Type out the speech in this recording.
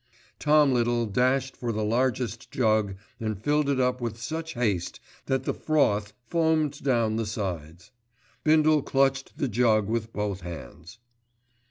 Tom Little dashed for the largest jug and filled it up with such haste that the froth foamed down the sides. Bindle clutched the jug with both hands.